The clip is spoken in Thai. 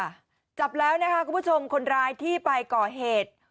จับแล้วนะคะคุณผู้ชมคนร้ายที่ไปก่อเหตุ